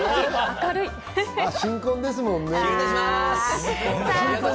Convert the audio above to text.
新婚ですもんね。